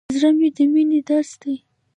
زړه د مینې درس دی.